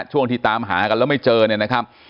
ช่วงที่ตามหากันแล้วไม่เจอเนี่ยนะครับ